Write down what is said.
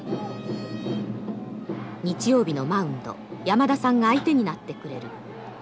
日曜日のマウンド山田さんが相手になってくれる。